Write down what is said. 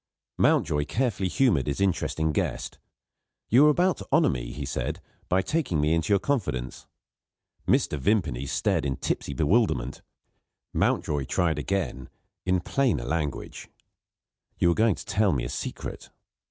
Mountjoy carefully humoured his interesting guest. "You were about to honour me," he said, "by taking me into your confidence." Mr. Vimpany stared in tipsy bewilderment. Mountjoy tried again in plainer language: "You were going to tell me a secret."